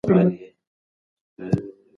د کلي تازه او سهارنۍ هوا د انسان روح تازه کوي.